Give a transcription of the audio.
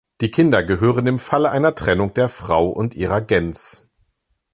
Die Kinder gehören im Falle einer Trennung der Frau und ihrer Gens.